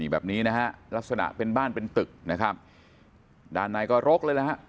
แบบนี้นะฮะลักษณะเป็นบ้านเป็นตึกนะครับด้านในก็รกเลยนะฮะ